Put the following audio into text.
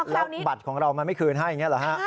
แล้วบัตรของเรามันไม่คืนให้อย่างนี้เหรอฮะ